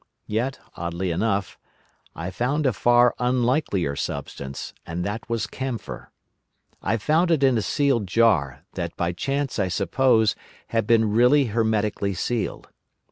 Yet, oddly enough, I found a far unlikelier substance, and that was camphor. I found it in a sealed jar, that by chance, I suppose, had been really hermetically sealed.